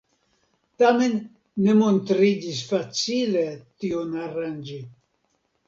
Tamen ne montriĝis facile tion aranĝi.